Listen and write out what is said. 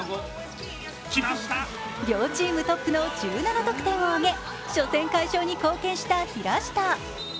両チームトップの１７得点を挙げ初戦快勝に貢献した平下。